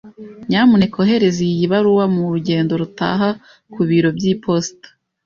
Nyamuneka ohereza iyi baruwa mu rugendo rutaha ku biro by'iposita.